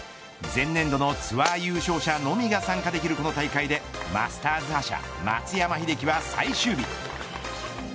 前年度のツアー優勝者のみが参加できるこの大会でマスターズ覇者松山英樹は最終日。